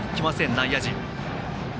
内野陣。